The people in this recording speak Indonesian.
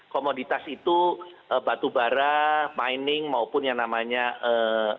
komoditas itu batu bara mining maupun yang namanya ee